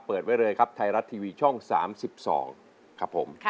ไว้เลยครับไทยรัฐทีวีช่อง๓๒ครับผม